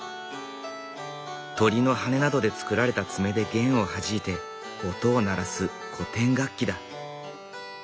鳥の羽根などで作られた爪で弦をはじいて音を鳴らす古典楽器だ。